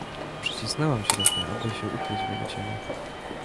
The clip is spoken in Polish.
"Przycisnąłem się do pnia, aby się ukryć w jego cieniu."